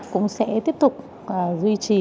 cũng sẽ tiếp tục duy trì